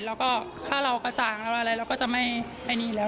แล้วก็จะจะไม่ไปหนีแล้ว